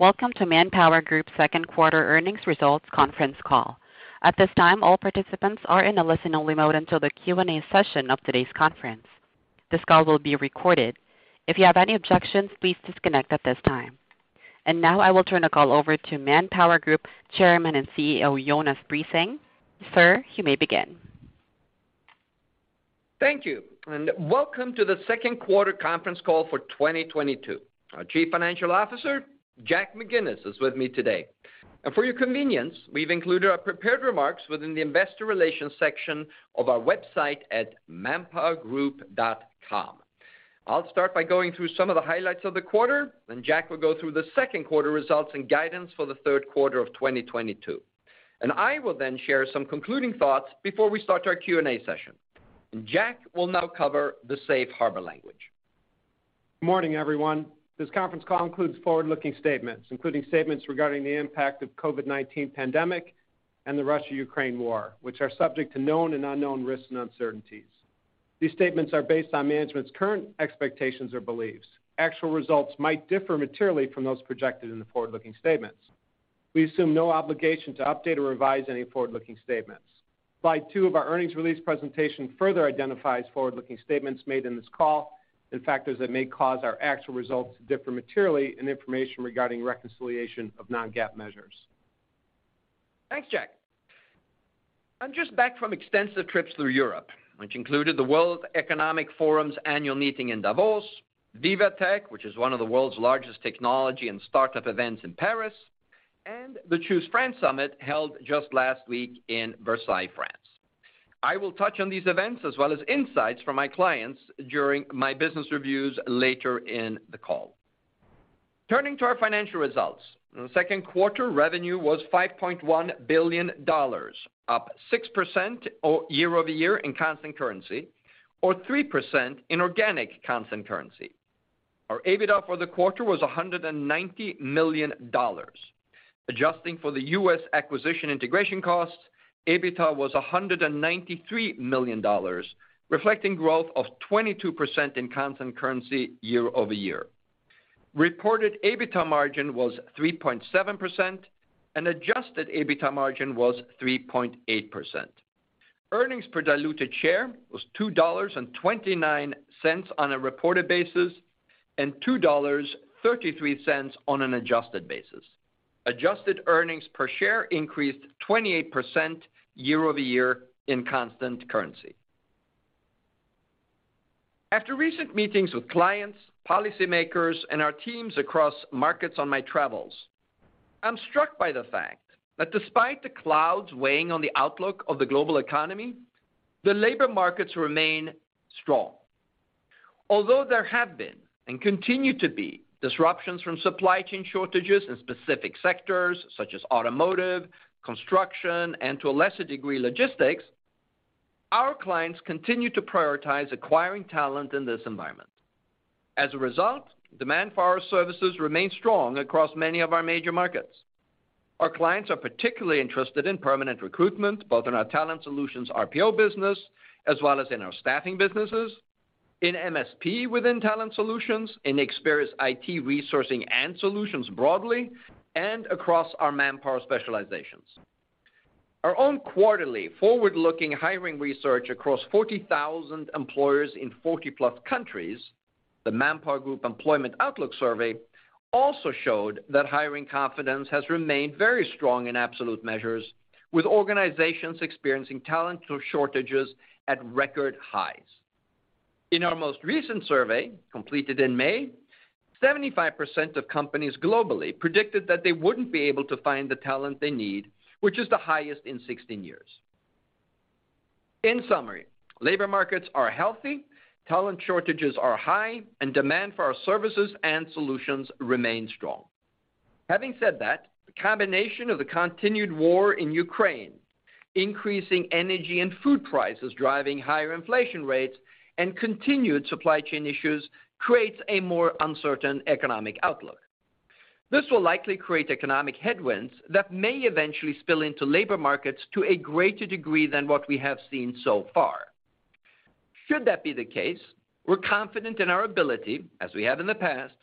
Welcome to ManpowerGroup's second quarter earnings results conference call. At this time, all participants are in a listen-only mode until the Q&A session of today's conference. This call will be recorded. If you have any objections, please disconnect at this time. Now I will turn the call over to ManpowerGroup Chairman and CEO, Jonas Prising. Sir, you may begin. Thank you, and welcome to the second quarter conference call for 2022. Our Chief Financial Officer, Jack McGinnis, is with me today. For your convenience, we've included our prepared remarks within the investor relations section of our website at manpowergroup.com. I'll start by going through some of the highlights of the quarter, then Jack will go through the second quarter results and guidance for the third quarter of 2022. I will then share some concluding thoughts before we start our Q&A session. Jack will now cover the safe harbor language. Morning, everyone. This conference call includes forward-looking statements, including statements regarding the impact of COVID-19 pandemic and the Russia-Ukraine war, which are subject to known and unknown risks and uncertainties. These statements are based on management's current expectations or beliefs. Actual results might differ materially from those projected in the forward-looking statements. We assume no obligation to update or revise any forward-looking statements. Slide 2 of our earnings release presentation further identifies forward-looking statements made in this call and factors that may cause our actual results to differ materially and information regarding reconciliation of non-GAAP measures. Thanks, Jack. I'm just back from extensive trips through Europe, which included the World Economic Forum's annual meeting in Davos, VivaTech, which is one of the world's largest technology and startup events in Paris, and the Choose France summit held just last week in Versailles, France. I will touch on these events as well as insights from my clients during my business reviews later in the call. Turning to our financial results. Second quarter revenue was $5.1 billion, up 6% year-over-year in constant currency, or 3% in organic constant currency. Our EBITDA for the quarter was $190 million. Adjusting for the US acquisition integration costs, EBITDA was $193 million, reflecting growth of 22% in constant currency year-over-year. Reported EBITDA margin was 3.7%, and adjusted EBITDA margin was 3.8%. Earnings per diluted share was $2.29 on a reported basis and $2.33 on an adjusted basis. Adjusted earnings per share increased 28% year-over-year in constant currency. After recent meetings with clients, policy makers, and our teams across markets on my travels, I'm struck by the fact that despite the clouds weighing on the outlook of the global economy, the labor markets remain strong. Although there have been and continue to be disruptions from supply chain shortages in specific sectors such as automotive, construction, and to a lesser degree, logistics, our clients continue to prioritize acquiring talent in this environment. As a result, demand for our services remains strong across many of our major markets. Our clients are particularly interested in permanent recruitment, both in our Talent Solutions RPO business as well as in our staffing businesses, in MSP within Talent Solutions, in Experis IT resourcing and solutions broadly, and across our Manpower specializations. Our own quarterly forward-looking hiring research across 40,000 employers in 40+ countries, the ManpowerGroup Employment Outlook Survey, also showed that hiring confidence has remained very strong in absolute measures, with organizations experiencing talent shortages at record highs. In our most recent survey, completed in May, 75% of companies globally predicted that they wouldn't be able to find the talent they need, which is the highest in 16 years. In summary, labor markets are healthy, talent shortages are high, and demand for our services and solutions remain strong. Having said that, the combination of the continued war in Ukraine, increasing energy and food prices driving higher inflation rates, and continued supply chain issues creates a more uncertain economic outlook. This will likely create economic headwinds that may eventually spill into labor markets to a greater degree than what we have seen so far. Should that be the case, we're confident in our ability, as we have in the past,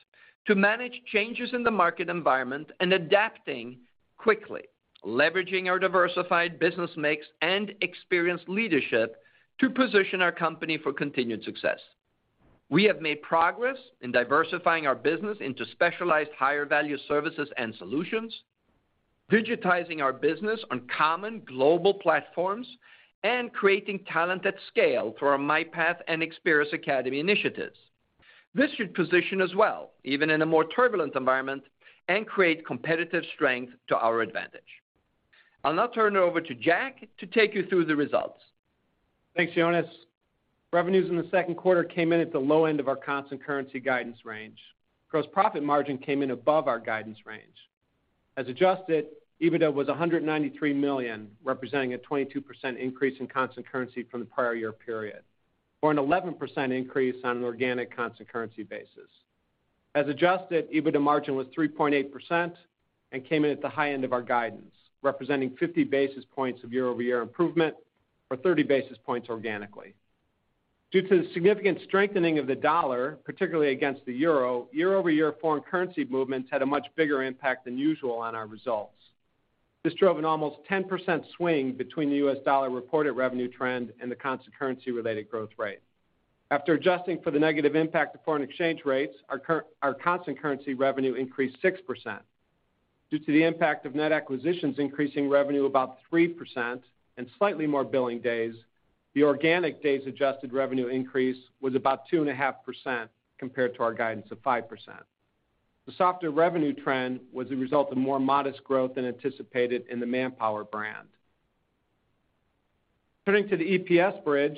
to manage changes in the market environment and adapting quickly, leveraging our diversified business mix and experienced leadership to position our company for continued success. We have made progress in diversifying our business into specialized higher value services and solutions, digitizing our business on common global platforms, and creating talent at scale through our MyPath and Experis Academy initiatives. This should position us well, even in a more turbulent environment, and create competitive strength to our advantage. I'll now turn it over to Jack to take you through the results. Thanks, Jonas. Revenues in the second quarter came in at the low end of our constant currency guidance range. Gross profit margin came in above our guidance range. As adjusted, EBITDA was $193 million, representing a 22% increase in constant currency from the prior year period, or an 11% increase on an organic constant currency basis. As adjusted, EBITDA margin was 3.8% and came in at the high end of our guidance, representing 50 basis points of year-over-year improvement, or 30 basis points organically. Due to the significant strengthening of the dollar, particularly against the euro, year-over-year foreign currency movements had a much bigger impact than usual on our results. This drove an almost 10% swing between the U.S. dollar reported revenue trend and the constant currency related growth rate. After adjusting for the negative impact of foreign exchange rates, our constant currency revenue increased 6%. Due to the impact of net acquisitions increasing revenue about 3% and slightly more billing days, the organic days adjusted revenue increase was about 2.5% compared to our guidance of 5%. The softer revenue trend was a result of more modest growth than anticipated in the Manpower brand. Turning to the EPS bridge.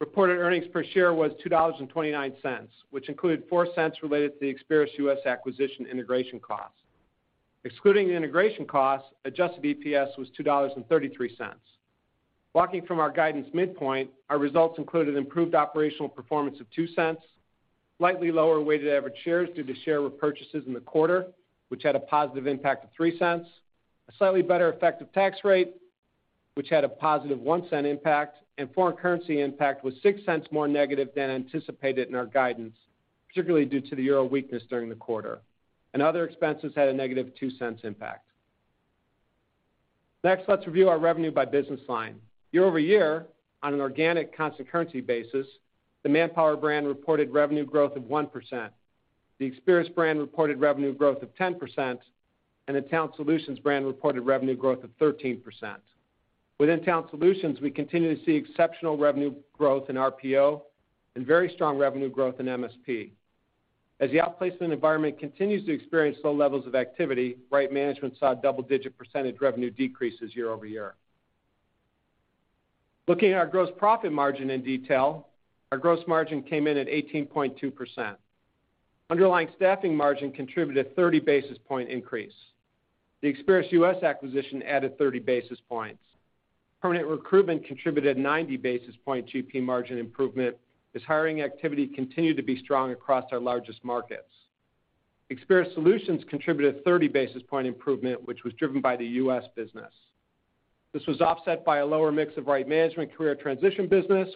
Reported earnings per share was $2.29, which included $0.04 related to the Experis U.S. acquisition integration costs. Excluding the integration costs, adjusted EPS was $2.33. Walking from our guidance midpoint, our results included improved operational performance of $0.02, slightly lower weighted average shares due to share repurchases in the quarter, which had a positive impact of $0.03, a slightly better effective tax rate, which had a positive $0.01 impact, and foreign currency impact was $0.06 more negative than anticipated in our guidance, particularly due to the euro weakness during the quarter. Other expenses had a negative $0.02 impact. Next, let's review our revenue by business line. Year-over-year, on an organic constant currency basis, the Manpower brand reported revenue growth of 1%. The Experis brand reported revenue growth of 10%, and the Talent Solutions brand reported revenue growth of 13%. Within Talent Solutions, we continue to see exceptional revenue growth in RPO and very strong revenue growth in MSP. As the outplacement environment continues to experience low levels of activity, Right Management saw double-digit percentage revenue decreases year-over-year. Looking at our gross profit margin in detail, our gross margin came in at 18.2%. Underlying staffing margin contributed 30 basis points increase. The Experis U.S. acquisition added 30 basis points. Permanent recruitment contributed 90 basis points GP margin improvement as hiring activity continued to be strong across our largest markets. Experis Solutions contributed 30 basis points improvement, which was driven by the U.S. business. This was offset by a lower mix of Right Management career transition business,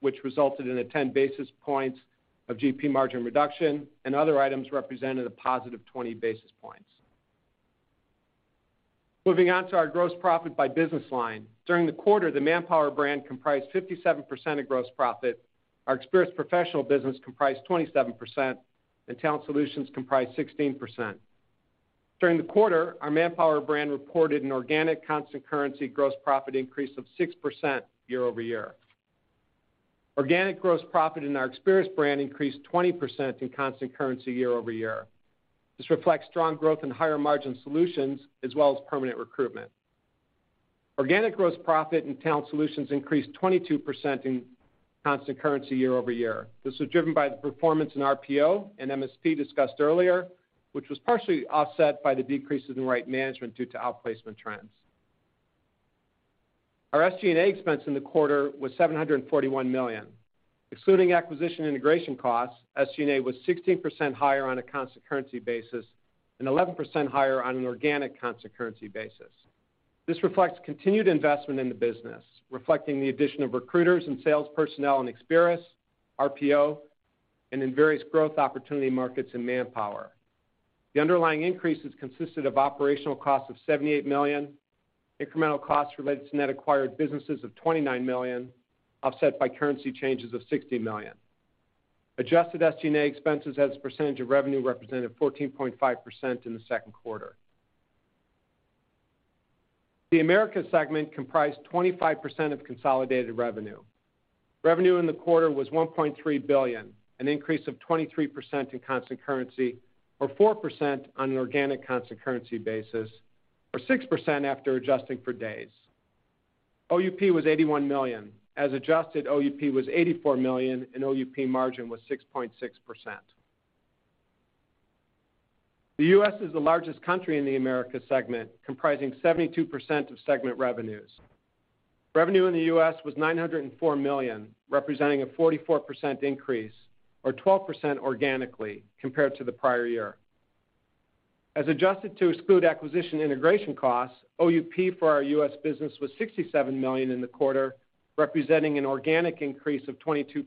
which resulted in 10 basis points of GP margin reduction, and other items represented a positive 20 basis points. Moving on to our gross profit by business line. During the quarter, the Manpower brand comprised 57% of gross profit, our Experis professional business comprised 27%, and Talent Solutions comprised 16%. During the quarter, our Manpower brand reported an organic constant currency gross profit increase of 6% year-over-year. Organic gross profit in our Experis brand increased 20% in constant currency year-over-year. This reflects strong growth in higher margin solutions as well as permanent recruitment. Organic gross profit in Talent Solutions increased 22% in constant currency year-over-year. This was driven by the performance in RPO and MSP discussed earlier, which was partially offset by the decreases in Right Management due to outplacement trends. Our SG&A expense in the quarter was $741 million. Excluding acquisition integration costs, SG&A was 16% higher on a constant currency basis and 11% higher on an organic constant currency basis. This reflects continued investment in the business, reflecting the addition of recruiters and sales personnel in Experis, RPO, and in various growth opportunity markets in Manpower. The underlying increases consisted of operational costs of $78 million, incremental costs related to net acquired businesses of $29 million, offset by currency changes of $60 million. Adjusted SG&A expenses as a percentage of revenue represented 14.5% in the second quarter. The Americas segment comprised 25% of consolidated revenue. Revenue in the quarter was $1.3 billion, an increase of 23% in constant currency, or 4% on an organic constant currency basis, or 6% after adjusting for days. OUP was $81 million. As adjusted, OUP was $84 million, and OUP margin was 6.6%. The U.S. is the largest country in the Americas segment, comprising 72% of segment revenues. Revenue in the U.S. was $904 million, representing a 44% increase, or 12% organically compared to the prior year. As adjusted to exclude acquisition integration costs, OUP for our U.S. business was $67 million in the quarter, representing an organic increase of 22%.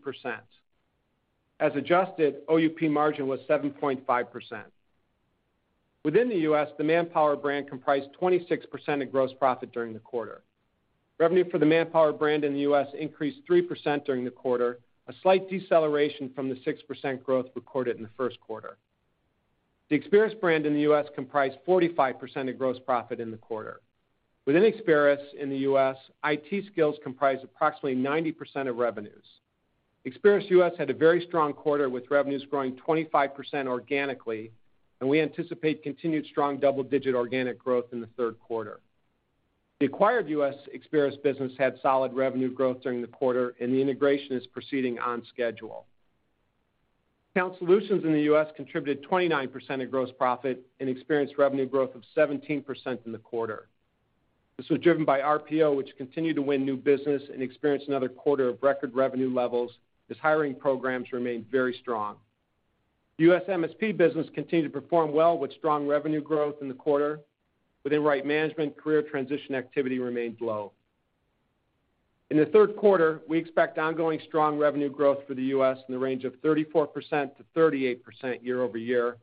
As adjusted, OUP margin was 7.5%. Within the U.S., the Manpower brand comprised 26% of gross profit during the quarter. Revenue for the Manpower brand in the U.S. increased 3% during the quarter, a slight deceleration from the 6% growth recorded in the first quarter. The Experis brand in the U.S. comprised 45% of gross profit in the quarter. Within Experis in the U.S., IT Skills comprised approximately 90% of revenues. Experis U.S. had a very strong quarter with revenues growing 25% organically, and we anticipate continued strong double-digit organic growth in the third quarter. The acquired U.S. Experis business had solid revenue growth during the quarter and the integration is proceeding on schedule. Talent Solutions in the U.S. contributed 29% of gross profit and experienced revenue growth of 17% in the quarter. This was driven by RPO, which continued to win new business and experienced another quarter of record revenue levels as hiring programs remained very strong. U.S. MSP business continued to perform well with strong revenue growth in the quarter. Within Right Management, career transition activity remained low. In the third quarter, we expect ongoing strong revenue growth for the U.S. in the range of 34%-38% year-over-year,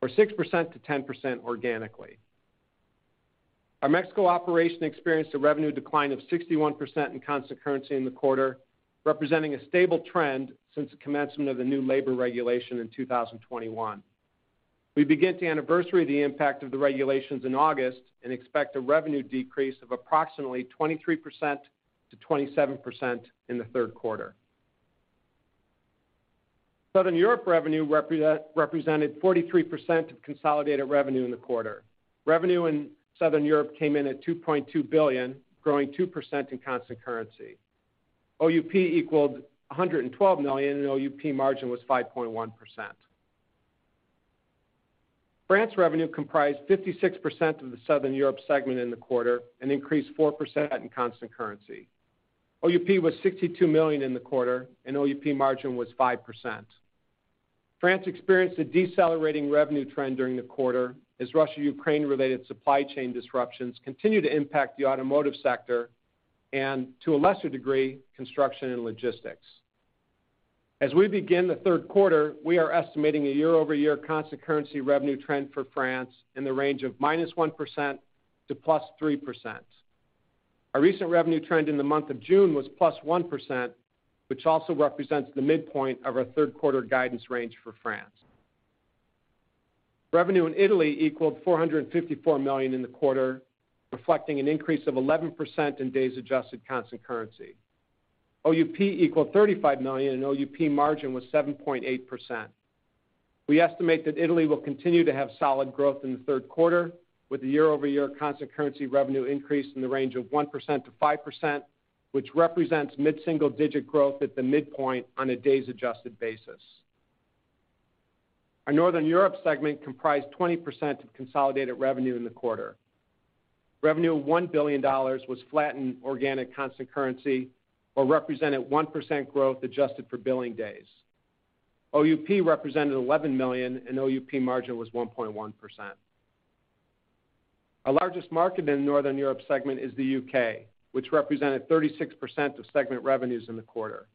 or 6%-10% organically. Our Mexico operation experienced a revenue decline of 61% in constant currency in the quarter, representing a stable trend since the commencement of the new labor regulation in 2021. We begin to anniversary the impact of the regulations in August and expect a revenue decrease of approximately 23%-27% in the third quarter. Southern Europe revenue represented 43% of consolidated revenue in the quarter. Revenue in Southern Europe came in at $2.2 billion, growing 2% in constant currency. OUP equaled $112 million, and OUP margin was 5.1%. France revenue comprised 56% of the Southern Europe segment in the quarter and increased 4% in constant currency. OUP was $62 million in the quarter, and OUP margin was 5%. France experienced a decelerating revenue trend during the quarter as Russia-Ukraine-related supply chain disruptions continue to impact the automotive sector and, to a lesser degree, construction and logistics. As we begin the third quarter, we are estimating a year-over-year constant currency revenue trend for France in the range of -1% to +3%. Our recent revenue trend in the month of June was +1%, which also represents the midpoint of our third quarter guidance range for France. Revenue in Italy equaled $454 million in the quarter, reflecting an increase of 11% in days adjusted constant currency. OUP equaled $35 million, and OUP margin was 7.8%. We estimate that Italy will continue to have solid growth in the third quarter with a year-over-year constant currency revenue increase in the range of 1%-5%, which represents mid-single digit growth at the midpoint on a days adjusted basis. Our Northern Europe segment comprised 20% of consolidated revenue in the quarter. Revenue of $1 billion was flat in organic constant currency or represented 1% growth adjusted for billing days. OUP represented $11 million, and OUP margin was 1.1%. Our largest market in the Northern Europe segment is the UK, which represented 36% of segment revenues in the quarter.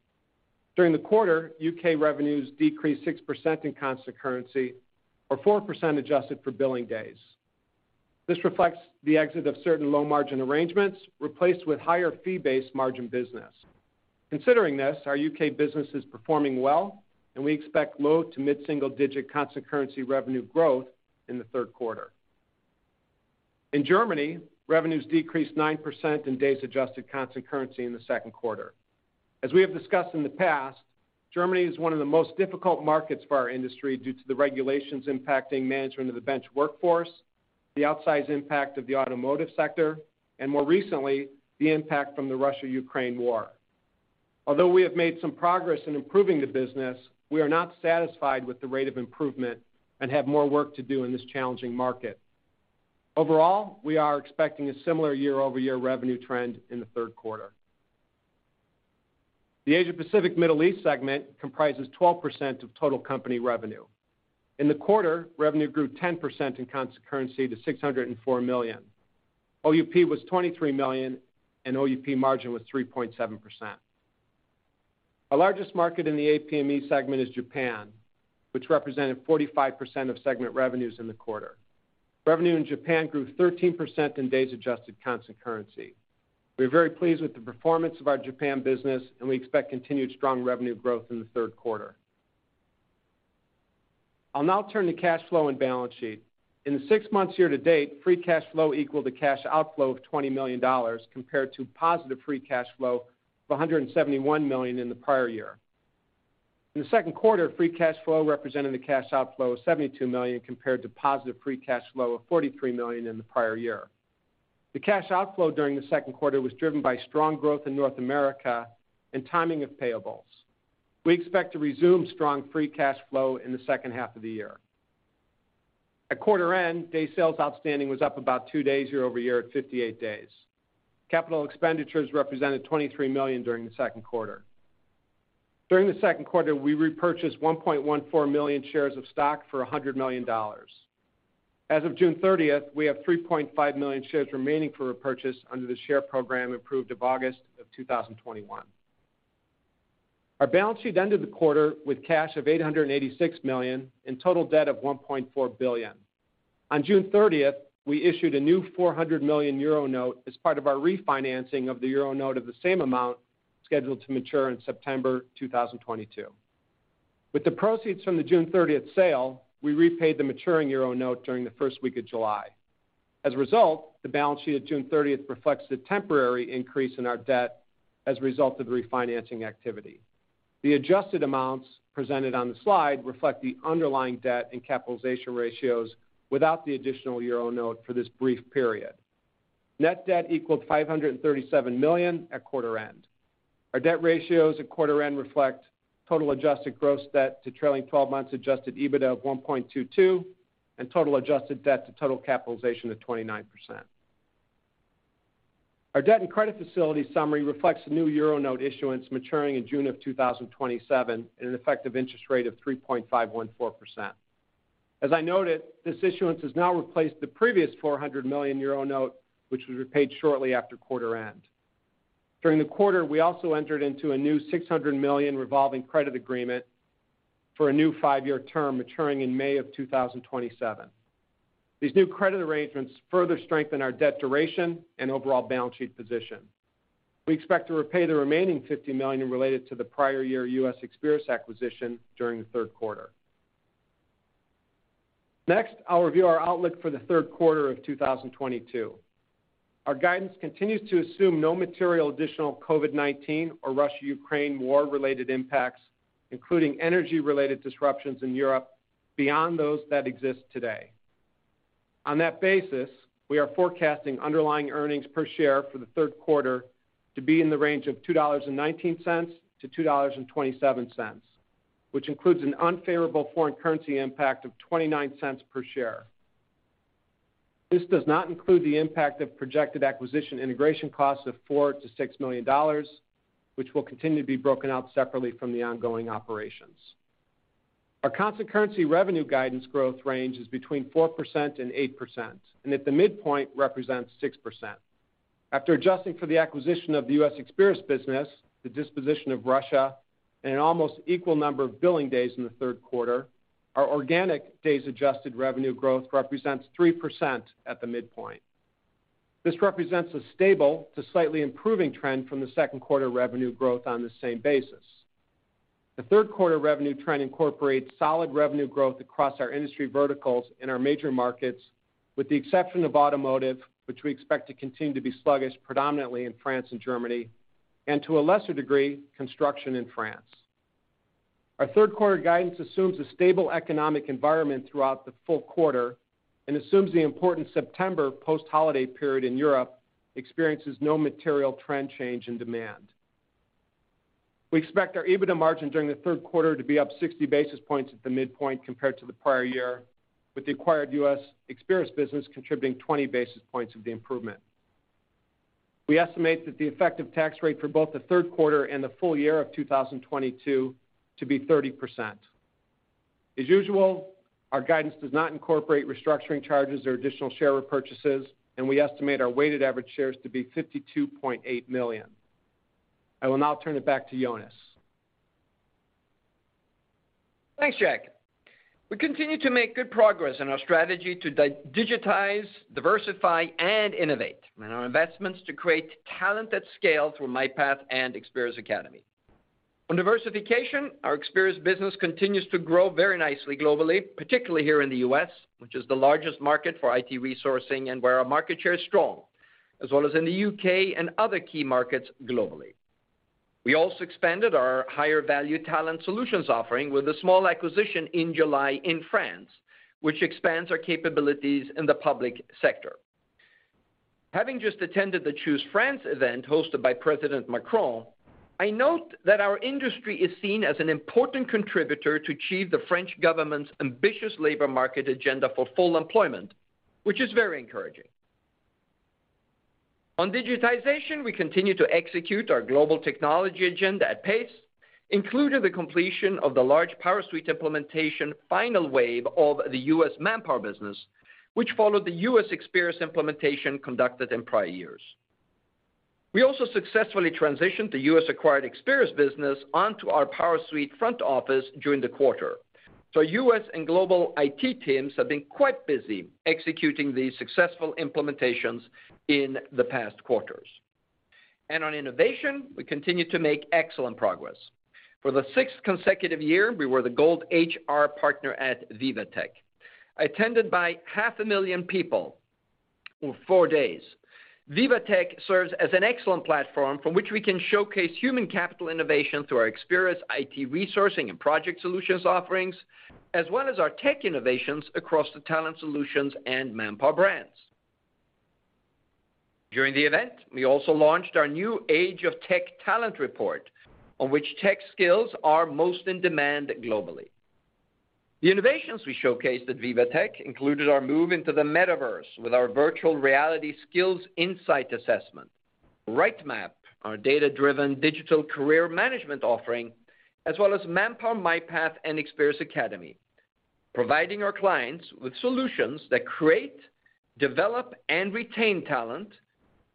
During the quarter, UK revenues decreased 6% in constant currency or 4% adjusted for billing days. This reflects the exit of certain low-margin arrangements replaced with higher fee-based margin business. Considering this, our UK business is performing well, and we expect low- to mid-single-digit constant currency revenue growth in the third quarter. In Germany, revenues decreased 9% day-adjusted constant currency in the second quarter. We have discussed in the past, Germany is one of the most difficult markets for our industry due to the regulations impacting management of the bench workforce, the outsized impact of the automotive sector, and more recently, the impact from the Russia-Ukraine war. Although we have made some progress in improving the business, we are not satisfied with the rate of improvement and have more work to do in this challenging market. Overall, we are expecting a similar year-over-year revenue trend in the third quarter. The Asia-Pacific Middle East segment comprises 12% of total company revenue. In the quarter, revenue grew 10% in constant currency to $604 million. OUP was $23 million, and OUP margin was 3.7%. Our largest market in the APME segment is Japan, which represented 45% of segment revenues in the quarter. Revenue in Japan grew 13% in days adjusted constant currency. We are very pleased with the performance of our Japan business, and we expect continued strong revenue growth in the third quarter. I'll now turn to cash flow and balance sheet. In the six months year to date, free cash flow equaled a cash outflow of $20 million compared to positive free cash flow of $171 million in the prior year. In the second quarter, free cash flow represented a cash outflow of $72 million compared to positive free cash flow of $43 million in the prior year. The cash outflow during the second quarter was driven by strong growth in North America and timing of payables. We expect to resume strong free cash flow in the second half of the year. At quarter end, day sales outstanding was up about 2 days year-over-year at 58 days. Capital expenditures represented $23 million during the second quarter. During the second quarter, we repurchased 1.14 million shares of stock for $100 million. As of June 30th, we have 3.5 million shares remaining for repurchase under the share program approved of August 2021. Our balance sheet ended the quarter with cash of $886 million and total debt of $1.4 billion. On June 30, we issued a new 400 million euro note as part of our refinancing of the euro note of the same amount scheduled to mature in September 2022. With the proceeds from the June 30 sale, we repaid the maturing euro note during the first week of July. As a result, the balance sheet at June 30 reflects the temporary increase in our debt as a result of the refinancing activity. The adjusted amounts presented on the slide reflect the underlying debt and capitalization ratios without the additional euro note for this brief period. Net debt equaled $537 million at quarter end. Our debt ratios at quarter end reflect total adjusted gross debt to trailing twelve months adjusted EBITDA of 1.22 and total adjusted debt to total capitalization of 29%. Our debt and credit facility summary reflects the new Euro note issuance maturing in June 2027 at an effective interest rate of 3.514%. As I noted, this issuance has now replaced the previous 400 million Euro note, which was repaid shortly after quarter end. During the quarter, we also entered into a new $600 million revolving credit agreement for a new 5-year term maturing in May 2027. These new credit arrangements further strengthen our debt duration and overall balance sheet position. We expect to repay the remaining $50 million related to the prior year US Experis acquisition during the third quarter. Next, I'll review our outlook for the third quarter of 2022. Our guidance continues to assume no material additional COVID-19 or Russia-Ukraine war-related impacts, including energy-related disruptions in Europe beyond those that exist today. On that basis, we are forecasting underlying earnings per share for the third quarter to be in the range of $2.19-$2.27, which includes an unfavorable foreign currency impact of $0.29 per share. This does not include the impact of projected acquisition integration costs of $4-$6 million, which will continue to be broken out separately from the ongoing operations. Our constant currency revenue guidance growth range is between 4% and 8%, and at the midpoint represents 6%. After adjusting for the acquisition of the U.S. Experis business, the disposition of Russia, and an almost equal number of billing days in the third quarter, our organic days adjusted revenue growth represents 3% at the midpoint. This represents a stable to slightly improving trend from the second quarter revenue growth on the same basis. The third quarter revenue trend incorporates solid revenue growth across our industry verticals in our major markets, with the exception of automotive, which we expect to continue to be sluggish predominantly in France and Germany, and to a lesser degree, construction in France. Our third quarter guidance assumes a stable economic environment throughout the full quarter and assumes the important September post-holiday period in Europe experiences no material trend change in demand. We expect our EBITDA margin during the third quarter to be up 60 basis points at the midpoint compared to the prior year, with the acquired US Experis business contributing 20 basis points of the improvement. We estimate that the effective tax rate for both the third quarter and the full year of 2022 to be 30%. As usual, our guidance does not incorporate restructuring charges or additional share repurchases, and we estimate our weighted average shares to be 52.8 million. I will now turn it back to Jonas. Thanks, Jack. We continue to make good progress in our strategy to digitize, diversify, and innovate, and our investments to create talent at scale through MyPath and Experis Academy. On diversification, our Experis business continues to grow very nicely globally, particularly here in the U.S., which is the largest market for IT resourcing and where our market share is strong, as well as in the U.K. and other key markets globally. We also expanded our higher-value talent solutions offering with a small acquisition in July in France, which expands our capabilities in the public sector. Having just attended the Choose France event hosted by President Macron, I note that our industry is seen as an important contributor to achieve the French government's ambitious labor market agenda for full employment, which is very encouraging. On digitization, we continue to execute our global technology agenda at pace, including the completion of the large PowerSuite implementation final wave of the U.S. Manpower business, which followed the U.S. Experis implementation conducted in prior years. We also successfully transitioned the U.S. acquired Experis business onto our PowerSuite front office during the quarter. U.S. and global IT teams have been quite busy executing these successful implementations in the past quarters. On innovation, we continue to make excellent progress. For the sixth consecutive year, we were the gold HR partner at Viva Technology. Attended by 500,000 people over four days, VivaTech serves as an excellent platform from which we can showcase human capital innovation through our Experis IT resourcing and project solutions offerings, as well as our tech innovations across the Talent Solutions and Manpower brands. During the event, we also launched our new The New Age of Tech Talent report on which tech skills are most in demand globally. The innovations we showcased at VivaTech included our move into the metaverse with our virtual reality skills insight assessment, RightMap, our data-driven digital career management offering, as well as Manpower MyPath and Experis Academy, providing our clients with solutions that create, develop, and retain talent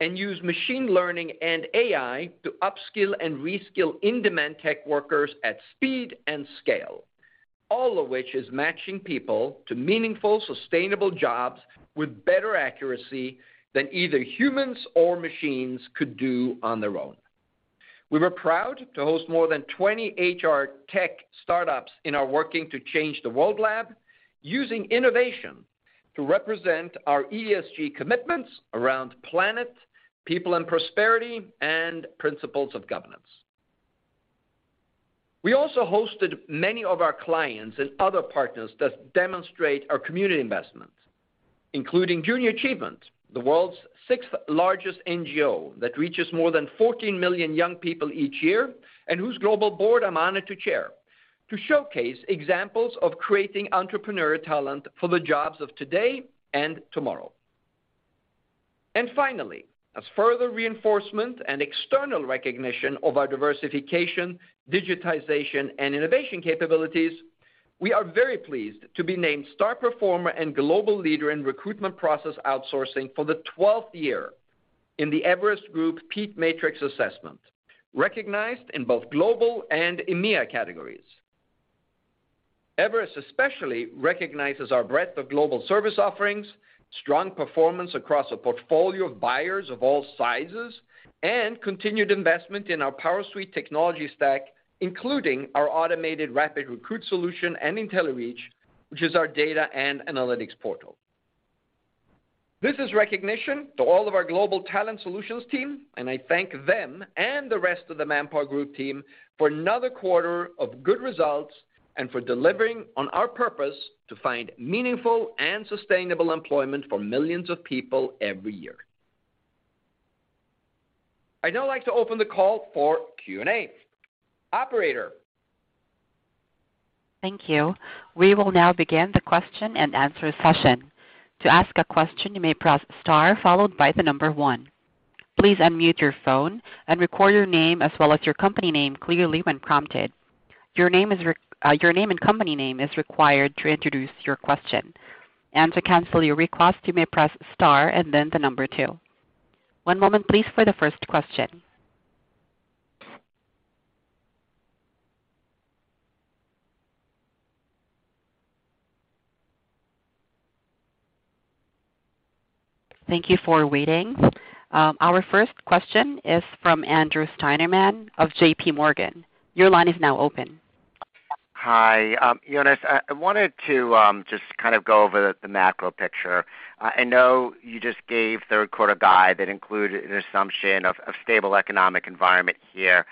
and use machine learning and AI to upskill and reskill in-demand tech workers at speed and scale, all of which is matching people to meaningful, sustainable jobs with better accuracy than either humans or machines could do on their own. We were proud to host more than 20 HR tech startups in our Working to Change the World lab using innovation to represent our ESG commitments around planet, people and prosperity, and principles of governance. We also hosted many of our clients and other partners that demonstrate our community investment, including Junior Achievement, the world's 6th-largest NGO that reaches more than 14 million young people each year and whose global board I'm honored to chair, to showcase examples of creating entrepreneurial talent for the jobs of today and tomorrow. Finally, as further reinforcement and external recognition of our diversification, digitization, and innovation capabilities, we are very pleased to be named Star Performer and Global Leader in Recruitment Process Outsourcing for the 12th year in the Everest Group PEAK Matrix Assessment, recognized in both global and EMEA categories. Everest especially recognizes our breadth of global service offerings, strong performance across a portfolio of buyers of all sizes, and continued investment in our PowerSuite technology stack, including our automated RapidRecruit solution and IntelliReach, which is our data and analytics portal. This is recognition to all of our global Talent Solutions team, and I thank them and the rest of the ManpowerGroup team for another quarter of good results and for delivering on our purpose to find meaningful and sustainable employment for millions of people every year. I'd now like to open the call for Q&A. Operator? Thank you. We will now begin the question-and-answer session. To ask a question, you may press star followed by the number one. Please unmute your phone and record your name as well as your company name clearly when prompted. Your name and company name is required to introduce your question. To cancel your request, you may press star and then the number two. One moment please for the first question. Thank you for waiting. Our first question is from Andrew Steinerman of J.P. Morgan. Your line is now open. Hi. Jonas, I wanted to just kind of go over the macro picture. I know you just gave third quarter guidance that included an assumption of stable economic environment here.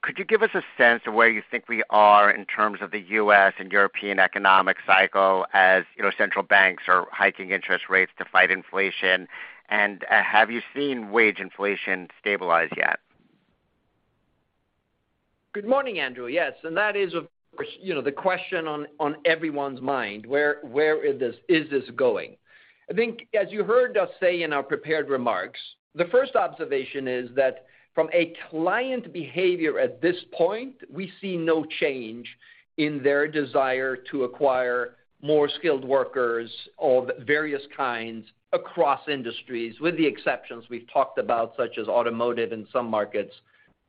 Could you give us a sense of where you think we are in terms of the U.S. and European economic cycle as you know central banks are hiking interest rates to fight inflation, and have you seen wage inflation stabilize yet? Good morning, Andrew. Yes, that is, of course, you know, the question on everyone's mind. Where is this going? I think as you heard us say in our prepared remarks, the first observation is that from a client behavior at this point, we see no change in their desire to acquire more skilled workers of various kinds across industries, with the exceptions we've talked about, such as automotive in some markets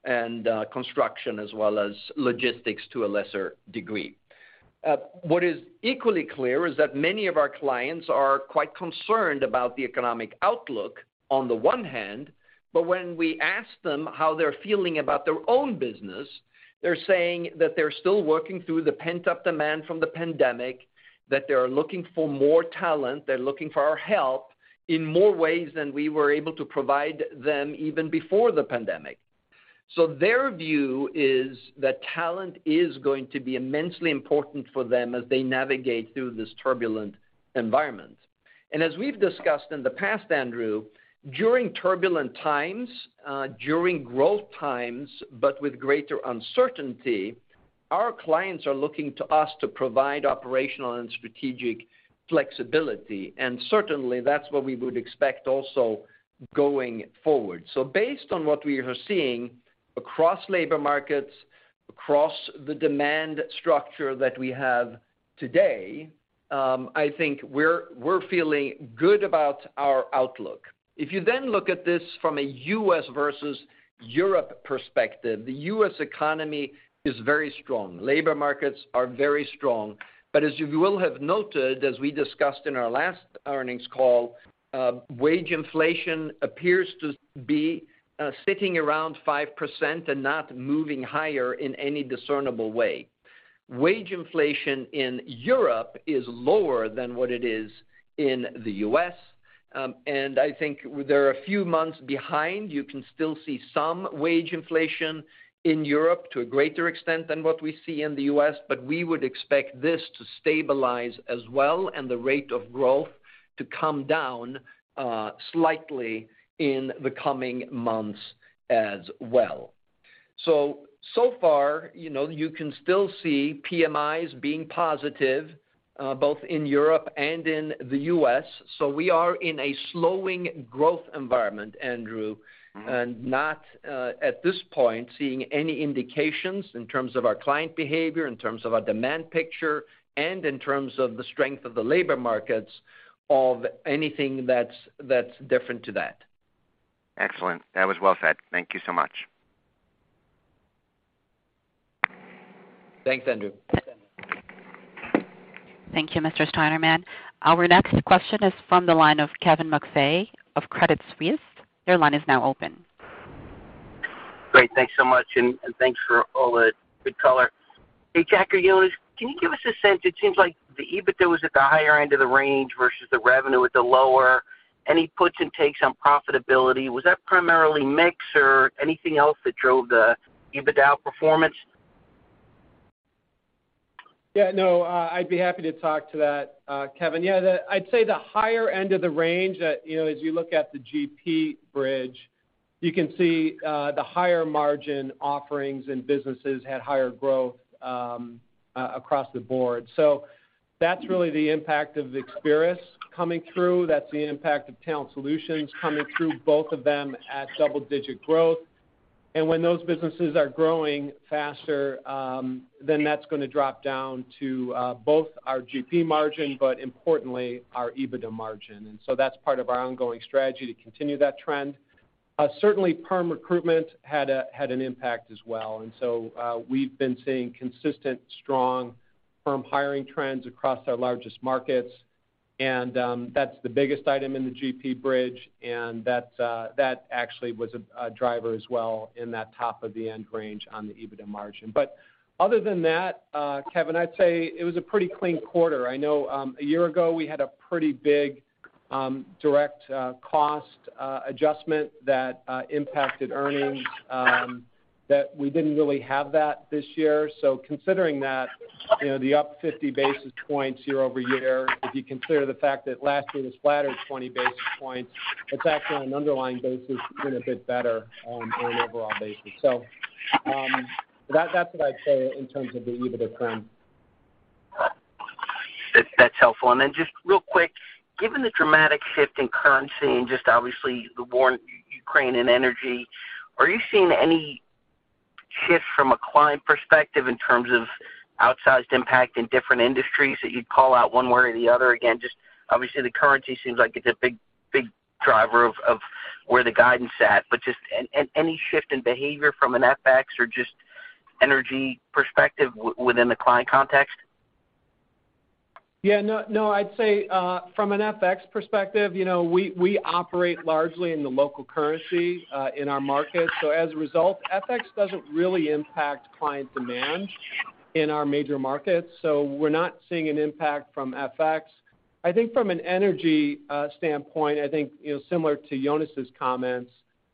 and construction as well as logistics to a lesser degree. What is equally clear is that many of our clients are quite concerned about the economic outlook on the one hand, but when we ask them how they're feeling about their own business, they're saying that they're still working through the pent-up demand from the pandemic, that they are looking for more talent. They're looking for our help in more ways than we were able to provide them even before the pandemic. Their view is that talent is going to be immensely important for them as they navigate through this turbulent environment. As we've discussed in the past, Andrew, during turbulent times, during growth times, but with greater uncertainty, our clients are looking to us to provide operational and strategic flexibility. Certainly, that's what we would expect also going forward. Based on what we are seeing across labor markets, across the demand structure that we have today, I think we're feeling good about our outlook. If you then look at this from a U.S. versus Europe perspective, the U.S. economy is very strong. Labor markets are very strong. As you will have noted, as we discussed in our last earnings call, wage inflation appears to be sitting around 5% and not moving higher in any discernible way. Wage inflation in Europe is lower than what it is in the U.S., and I think they're a few months behind. You can still see some wage inflation in Europe to a greater extent than what we see in the U.S., but we would expect this to stabilize as well and the rate of growth to come down slightly in the coming months as well. So far, you know, you can still see PMIs being positive both in Europe and in the U.S. We are in a slowing growth environment, Andrew, and not at this point seeing any indications in terms of our client behavior, in terms of our demand picture, and in terms of the strength of the labor markets of anything that's different to that. Excellent. That was well said. Thank you so much. Thanks, Andrew. Thank you, Mr. Steinerman. Our next question is from the line of Kevin McVeigh of Credit Suisse. Your line is now open. Great. Thanks so much, and thanks for all the good color. Hey, Jack or Jonas, can you give us a sense? It seems like the EBITDA was at the higher end of the range versus the revenue at the lower. Any puts and takes on profitability, was that primarily mix or anything else that drove the EBITDA performance? Yeah, no, I'd be happy to talk to that, Kevin. Yeah, I'd say the higher end of the range that, you know, as you look at the GP bridge. You can see the higher margin offerings and businesses had higher growth across the board. That's really the impact of the Experis coming through. That's the impact of Talent Solutions coming through, both of them at double-digit growth. When those businesses are growing faster, then that's gonna drop down to both our GP margin, but importantly our EBITDA margin. That's part of our ongoing strategy to continue that trend. Certainly perm recruitment had an impact as well. We've been seeing consistent, strong firm hiring trends across our largest markets, and that's the biggest item in the GP bridge. That actually was a driver as well in that top end of the range on the EBITDA margin. Other than that, Kevin, I'd say it was a pretty clean quarter. I know a year ago, we had a pretty big direct cost adjustment that impacted earnings that we didn't really have that this year. Considering that, you know, the up 50 basis points year-over-year, if you consider the fact that last year was flat at 20 basis points, it's actually on an underlying basis been a bit better on an overall basis. That's what I'd say in terms of the EBITDA trend. That's helpful. Then just real quick, given the dramatic shift in currency and just obviously the war in Ukraine and energy, are you seeing any shift from a client perspective in terms of outsized impact in different industries that you'd call out one way or the other? Again, just obviously the currency seems like it's a big driver of where the guidance is at. Just any shift in behavior from an FX or just energy perspective within the client context? Yeah. No, no. I'd say from an FX perspective, you know, we operate largely in the local currency in our markets. As a result, FX doesn't really impact client demand in our major markets, so we're not seeing an impact from FX. I think from an energy standpoint, you know, similar to Jonas's comments,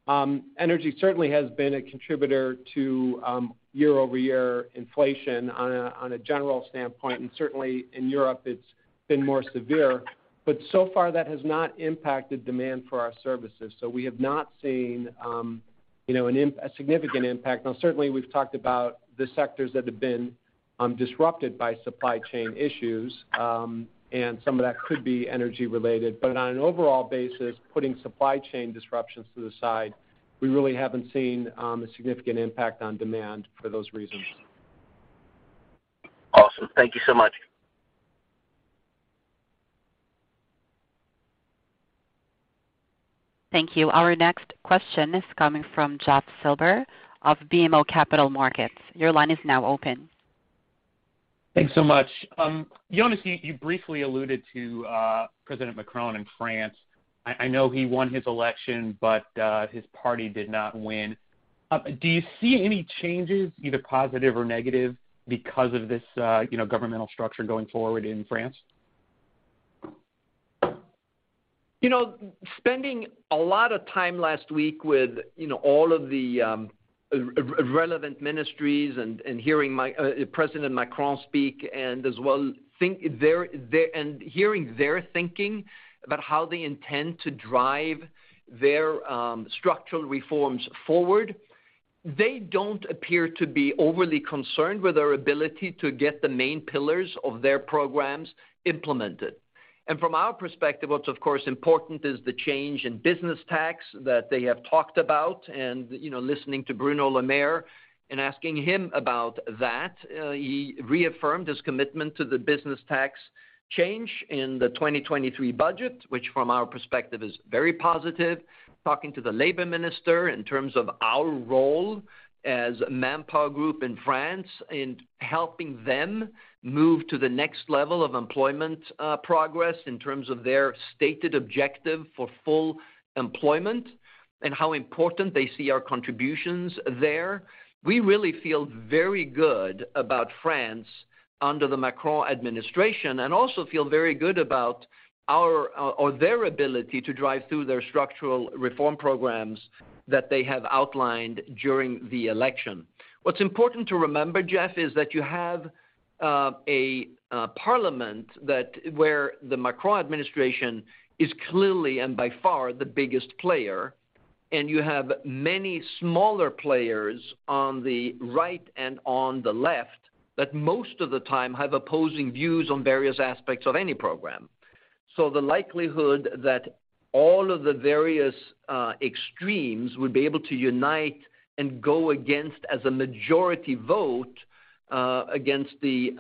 energy certainly has been a contributor to year-over-year inflation on a general standpoint, and certainly in Europe, it's been more severe. So far that has not impacted demand for our services. We have not seen, you know, a significant impact. Now certainly we've talked about the sectors that have been disrupted by supply chain issues, and some of that could be energy related. On an overall basis, putting supply chain disruptions to the side, we really haven't seen a significant impact on demand for those reasons. Awesome. Thank you so much. Thank you. Our next question is coming from Jeffrey Silber of BMO Capital Markets. Your line is now open. Thanks so much. Jonas, you briefly alluded to President Macron in France. I know he won his election, but his party did not win. Do you see any changes, either positive or negative because of this, you know, governmental structure going forward in France? You know, spending a lot of time last week with, you know, all of the relevant ministries and hearing President Macron speak and hearing their thinking about how they intend to drive their structural reforms forward, they don't appear to be overly concerned with their ability to get the main pillars of their programs implemented. From our perspective, what's of course important is the change in business tax that they have talked about. You know, listening to Bruno Le Maire and asking him about that, he reaffirmed his commitment to the business tax change in the 2023 budget, which from our perspective is very positive. Talking to the labor minister in terms of our role as ManpowerGroup in France in helping them move to the next level of employment, progress in terms of their stated objective for full employment and how important they see our contributions there. We really feel very good about France under the Macron administration and also feel very good about their ability to drive through their structural reform programs that they have outlined during the election. What's important to remember, Jeff, is that you have a parliament where the Macron administration is clearly and by far the biggest player, and you have many smaller players on the right and on the left that most of the time have opposing views on various aspects of any program. The likelihood that all of the various extremes would be able to unite and go against as a majority vote against the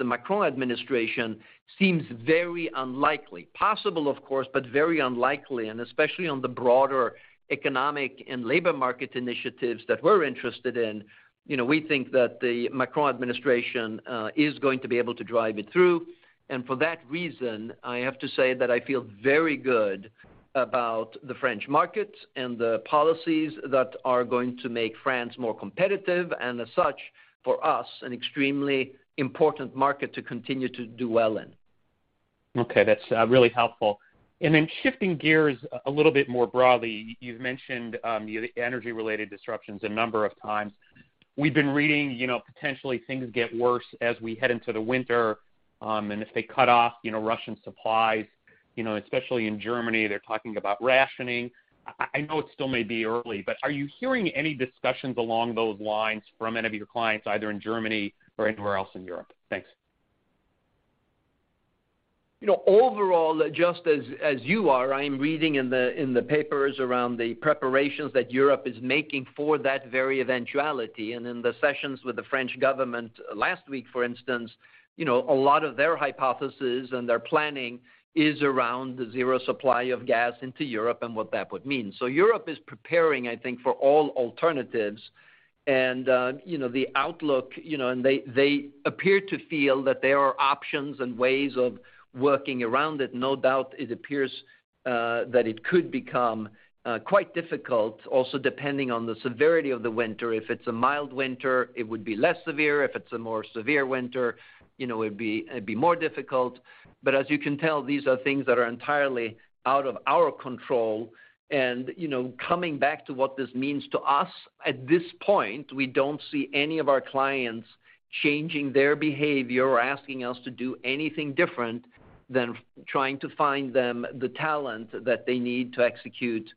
Macron administration seems very unlikely. Possible, of course, but very unlikely. Especially on the broader economic and labor market initiatives that we're interested in. You know, we think that the Macron administration is going to be able to drive it through. For that reason, I have to say that I feel very good about the French market and the policies that are going to make France more competitive, and as such, for us, an extremely important market to continue to do well in. Okay. That's really helpful. Shifting gears a little bit more broadly, you've mentioned the energy-related disruptions a number of times. We've been reading, you know, potentially things get worse as we head into the winter. If they cut off, you know, Russian supplies, you know, especially in Germany, they're talking about rationing. I know it still may be early, but are you hearing any discussions along those lines from any of your clients, either in Germany or anywhere else in Europe? Thanks. You know, overall, I'm reading in the papers around the preparations that Europe is making for that very eventuality. In the sessions with the French government last week, for instance, you know, a lot of their hypothesis and their planning is around the zero supply of gas into Europe and what that would mean. Europe is preparing, I think, for all alternatives. They appear to feel that there are options and ways of working around it. No doubt, it appears that it could become quite difficult also, depending on the severity of the winter. If it's a mild winter, it would be less severe. If it's a more severe winter, it'd be more difficult. As you can tell, these are things that are entirely out of our control. You know, coming back to what this means to us, at this point, we don't see any of our clients changing their behavior or asking us to do anything different than trying to find them the talent that they need to execute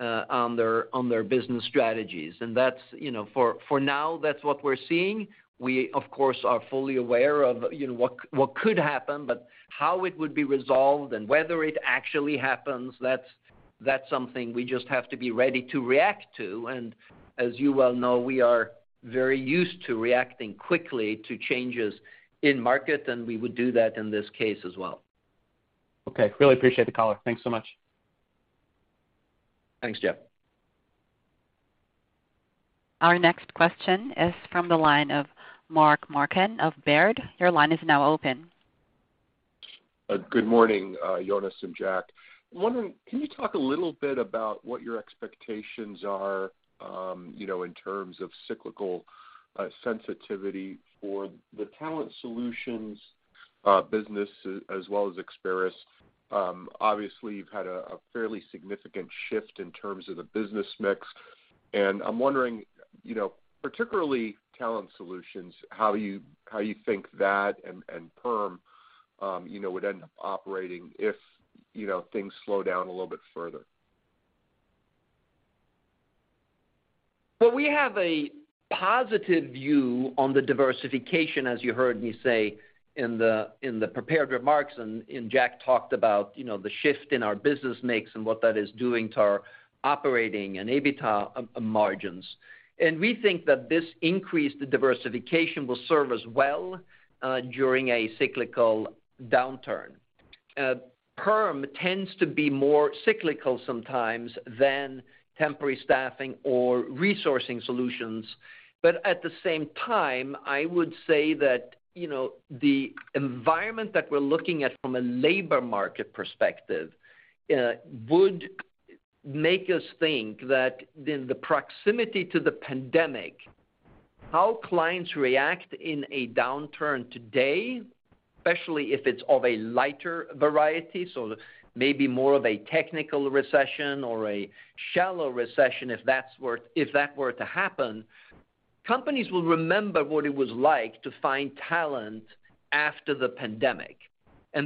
on their business strategies. That's, you know, for now, that's what we're seeing. We, of course, are fully aware of, you know, what could happen, but how it would be resolved and whether it actually happens, that's something we just have to be ready to react to. As you well know, we are very used to reacting quickly to changes in market, and we would do that in this case as well. Okay. Really appreciate the color. Thanks so much. Thanks, Jeff. Our next question is from the line of Mark Marcon of Baird. Your line is now open. Good morning, Jonas and Jack. I'm wondering, can you talk a little bit about what your expectations are, you know, in terms of cyclical sensitivity for the Talent Solutions business as well as Experis? Obviously you've had a fairly significant shift in terms of the business mix, and I'm wondering, you know, particularly Talent Solutions, how you think that and Perm would end up operating if, you know, things slow down a little bit further. Well, we have a positive view on the diversification, as you heard me say in the prepared remarks, and Jack talked about, you know, the shift in our business mix and what that is doing to our operating and EBITDA margins. We think that this increased diversification will serve us well during a cyclical downturn. Perm tends to be more cyclical sometimes than temporary staffing or resourcing solutions. At the same time, I would say that, you know, the environment that we're looking at from a labor market perspective would make us think that the proximity to the pandemic, how clients react in a downturn today, especially if it's of a lighter variety, so maybe more of a technical recession or a shallow recession, if that were to happen, companies will remember what it was like to find talent after the pandemic.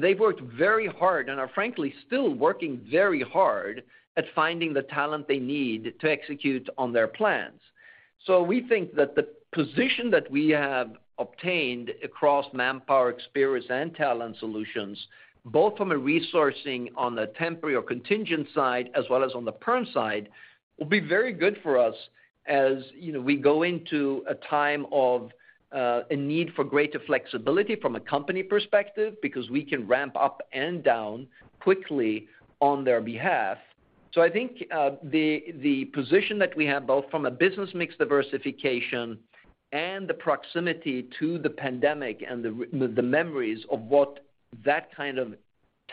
They've worked very hard and are frankly still working very hard at finding the talent they need to execute on their plans. We think that the position that we have obtained across Manpower, Experis, and Talent Solutions, both from a resourcing on the temporary or contingent side as well as on the Perm side, will be very good for us as, you know, we go into a time of, a need for greater flexibility from a company perspective because we can ramp up and down quickly on their behalf. I think, the position that we have both from a business mix diversification and the proximity to the pandemic and the memories of what that kind of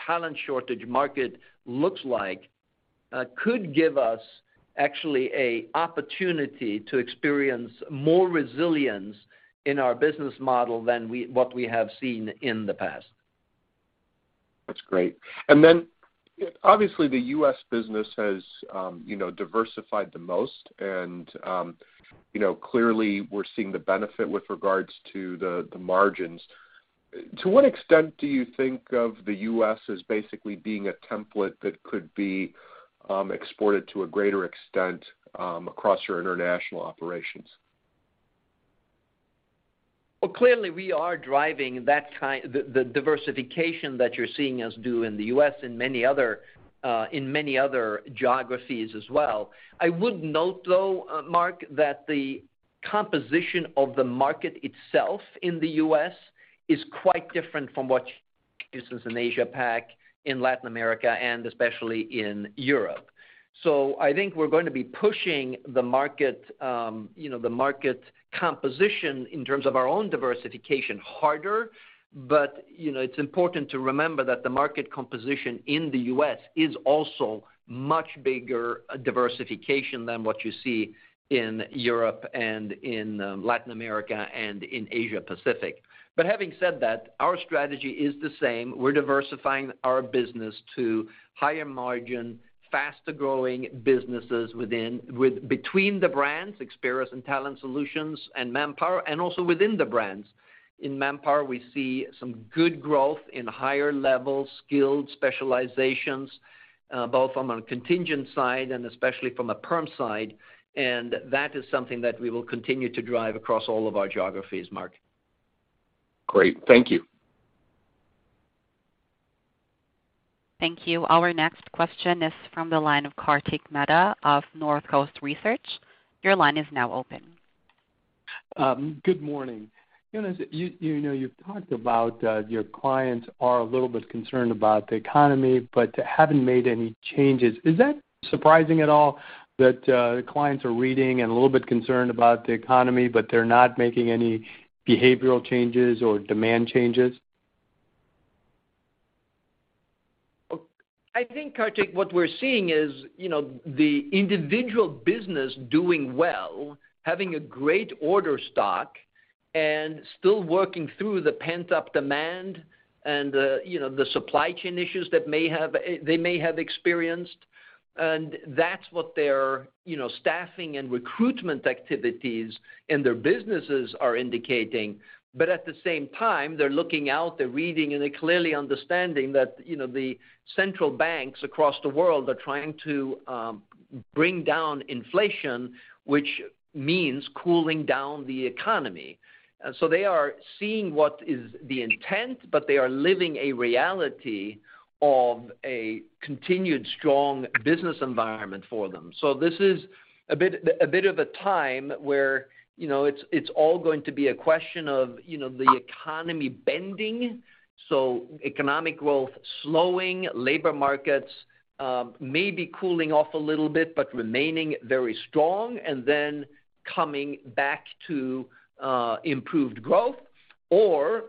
talent shortage market looks like, could give us actually a opportunity to experience more resilience in our business model than what we have seen in the past. That's great. Obviously, the U.S. business has, you know, diversified the most. Clearly we're seeing the benefit with regards to the margins. To what extent do you think of the U.S. as basically being a template that could be exported to a greater extent across your international operations? Well, clearly, we are driving the diversification that you're seeing us do in the US and many other geographies as well. I would note, though, Mark, that the composition of the market itself in the US is quite different from what it is in Asia Pac, in Latin America, and especially in Europe. I think we're going to be pushing the market, you know, the market composition in terms of our own diversification harder. You know, it's important to remember that the market composition in the US is also much bigger diversification than what you see in Europe and in Latin America and in Asia Pacific. Having said that, our strategy is the same. We're diversifying our business to higher margin, faster-growing businesses between the brands, Experis and Talent Solutions and Manpower, and also within the brands. In Manpower, we see some good growth in higher-level skilled specializations, both from a contingent side and especially from a Perm side. That is something that we will continue to drive across all of our geographies, Mark. Great. Thank you. Thank you. Our next question is from the line of Kartik Mehta of Northcoast Research. Your line is now open. Good morning. Jonas, you know, you've talked about your clients are a little bit concerned about the economy, but haven't made any changes. Is that surprising at all that clients are reading and a little bit concerned about the economy, but they're not making any behavioral changes or demand changes? I think, Kartik, what we're seeing is, you know, the individual business doing well, having a great order stock and still working through the pent-up demand and, you know, the supply chain issues that they may have experienced. That's what their, you know, staffing and recruitment activities and their businesses are indicating. At the same time, they're looking out, they're reading and they're clearly understanding that, you know, the central banks across the world are trying to bring down inflation, which means cooling down the economy. They are seeing what is the intent, but they are living a reality of a continued strong business environment for them. This is a bit of a time where, you know, it's all going to be a question of, you know, the economy bending. Economic growth slowing, labor markets maybe cooling off a little bit, but remaining very strong and then coming back to improved growth or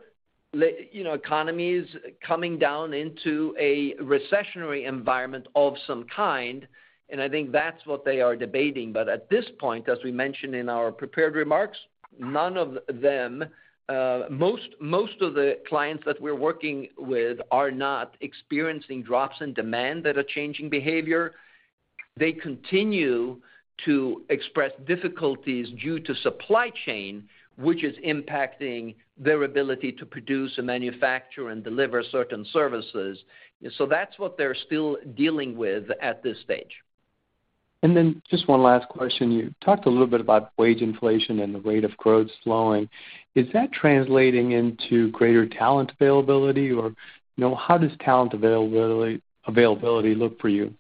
economies coming down into a recessionary environment of some kind. I think that's what they are debating. At this point, as we mentioned in our prepared remarks, none of them, most of the clients that we're working with are not experiencing drops in demand that are changing behavior. They continue to express difficulties due to supply chain, which is impacting their ability to produce and manufacture and deliver certain services. That's what they're still dealing with at this stage. Then just one last question. You talked a little bit about wage inflation and the rate of growth slowing. Is that translating into greater talent availability? Or, you know, how does talent availability look for you?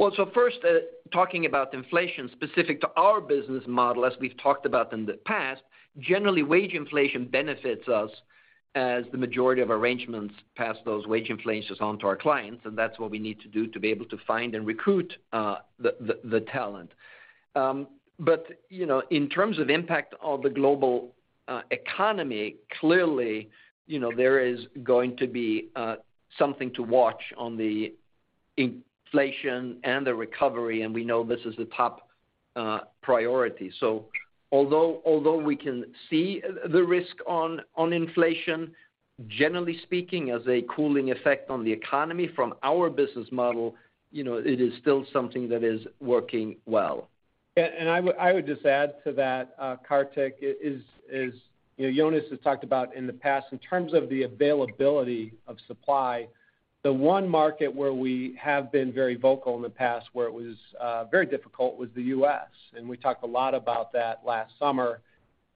Well, first, talking about inflation specific to our business model, as we've talked about in the past, generally, wage inflation benefits us as the majority of arrangements pass those wage inflations on to our clients, and that's what we need to do to be able to find and recruit the talent. But you know, in terms of impact of the global economy, clearly, you know, there is going to be something to watch on the inflation and the recovery, and we know this is a top priority. Although we can see the risk on inflation, generally speaking, as a cooling effect on the economy from our business model, you know, it is still something that is working well. I would just add to that, Kartik, you know, Jonas has talked about in the past, in terms of the availability of supply, the one market where we have been very vocal in the past where it was very difficult was the US, and we talked a lot about that last summer.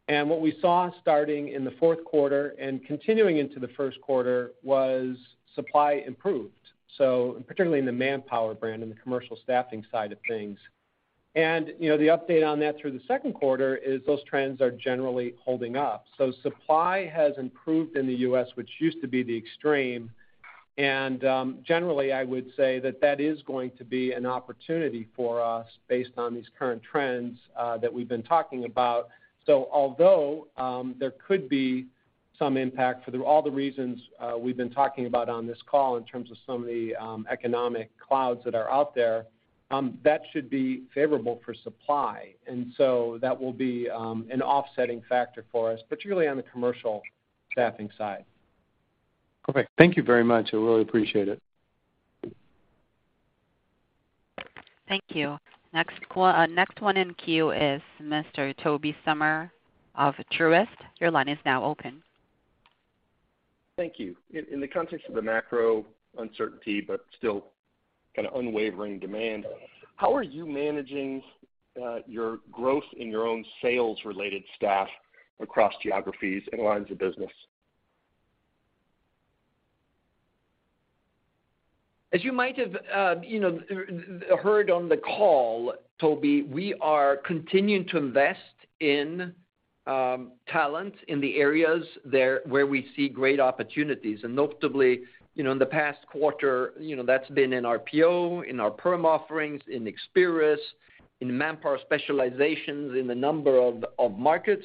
What we saw starting in the fourth quarter and continuing into the first quarter was supply improved, so particularly in the Manpower brand and the commercial staffing side of things. You know, the update on that through the second quarter is those trends are generally holding up. Supply has improved in the US, which used to be the extreme. Generally, I would say that is going to be an opportunity for us based on these current trends that we've been talking about. Although there could be some impact for all the reasons we've been talking about on this call in terms of some of the economic clouds that are out there, that should be favorable for supply. That will be an offsetting factor for us, but really on the commercial staffing side. Perfect. Thank you very much. I really appreciate it. Thank you. Next one in queue is Mr. Tobey Sommer of Truist. Your line is now open. Thank you. In the context of the macro uncertainty, but still kind of unwavering demand, how are you managing your growth in your own sales-related staff across geographies and lines of business? As you might have, you know, heard on the call, Toby, we are continuing to invest in talent in the areas there where we see great opportunities. Notably, you know, in the past quarter, you know, that's been in RPO, in our perm offerings, in Experis, in Manpower Specializations, in a number of markets.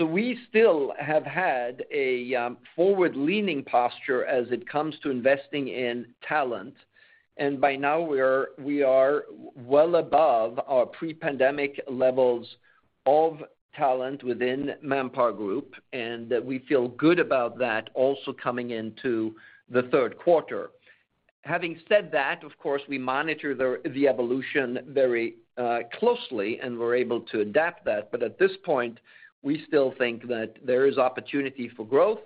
We still have had a forward-leaning posture as it comes to investing in talent. By now we are well above our pre-pandemic levels of talent within ManpowerGroup, and we feel good about that also coming into the third quarter. Having said that, of course, we monitor the evolution very closely, and we're able to adapt that. At this point, we still think that there is opportunity for growth.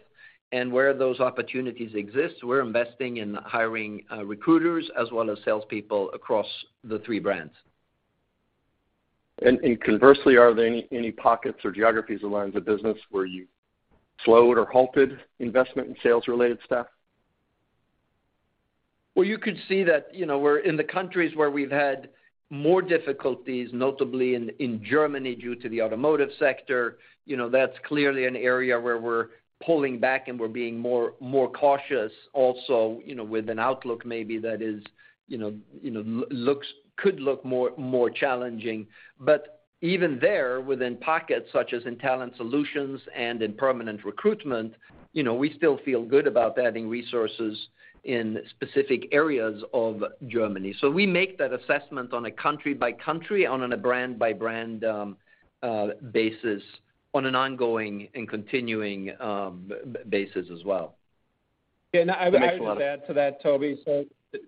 Where those opportunities exist, we're investing in hiring recruiters as well as salespeople across the three brands. Conversely, are there any pockets or geographies or lines of business where you slowed or halted investment in sales-related staff? Well, you could see that, you know, we're in the countries where we've had more difficulties, notably in Germany, due to the automotive sector. You know, that's clearly an area where we're pulling back, and we're being more cautious also, you know, with an outlook maybe that is, you know, looks could look more challenging. Even there, within pockets such as in Talent Solutions and in permanent recruitment, you know, we still feel good about adding resources in specific areas of Germany. We make that assessment on a country by country, on a brand by brand, basis on an ongoing and continuing basis as well. Yeah. I would add to that, Toby.